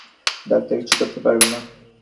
Doctor কিছু করতে পারবে না।